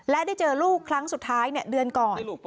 และได้เจอลูกครั้งสุดท้ายเดือนก่อน